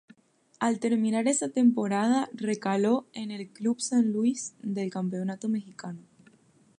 Al terminar esa temporada recaló en el Club San Luis del campeonato mexicano.